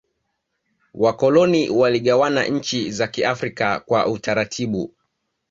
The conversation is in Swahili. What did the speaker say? wakoloni waligawana nchi za kiafrika kwa utaratibu